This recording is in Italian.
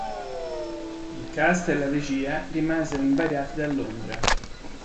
Il cast e la regia rimasero invariati da Londra.